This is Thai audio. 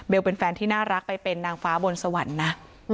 เป็นแฟนที่น่ารักไปเป็นนางฟ้าบนสวรรค์นะ